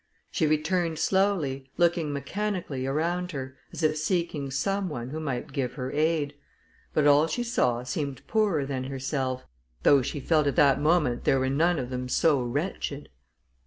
She returned slowly, looking mechanically around her, as if seeking some one who might give her aid; but all she saw seemed poorer than herself, though she felt that at that moment there were none of them so wretched.